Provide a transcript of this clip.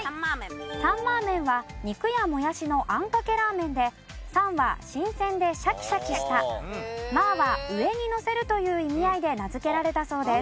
サンマーメンは肉やもやしのあんかけラーメンで「サン」は新鮮でシャキシャキした「マー」は上にのせるという意味合いで名付けられたそうです。